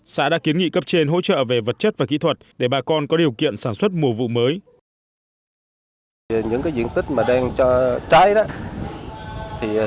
xã đã kiến nghị cấp trên hỗ trợ về vật chất và kỹ thuật để bà con có điều kiện sản xuất mùa vụ mới